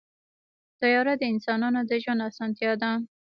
طیاره د انسانانو د ژوند اسانتیا ده.